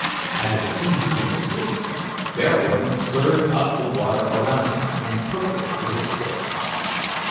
As it seemed to be asleep, Bearwarden stirred up the water around it and poked it with a stick.